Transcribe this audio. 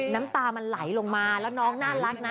น้ำตามันไหลลงมาแล้วน้องน่ารักนะ